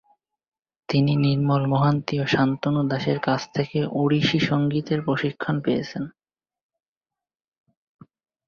তিনি নির্মল মোহান্তি ও শান্তনু দাসের কাছ থেকে ওড়িশি সংগীতের প্রশিক্ষণও পেয়েছেন।